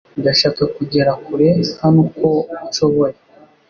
Ndashaka kugera kure hano uko nshoboye